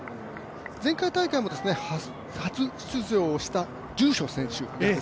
前回大会も初出場をした住所選手